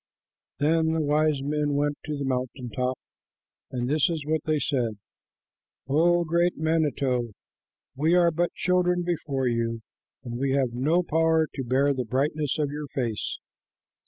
Then the wise men went to the mountain top, and this is what they said: "O great manito, we are but children before you, and we have no power to bear the brightness of your face.